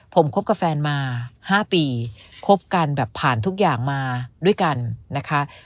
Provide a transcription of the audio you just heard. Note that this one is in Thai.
ผมคบกับแฟนมา๕ปีคบกันแบบผ่านทุกอย่างมาด้วยกันนะคะ